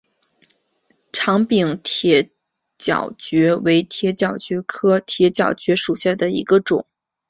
长柄铁角蕨为铁角蕨科铁角蕨属下的一个种。